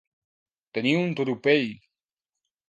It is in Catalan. Tenir un tropell.